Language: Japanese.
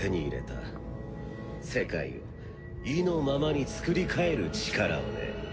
世界を意のままにつくり変える力をね。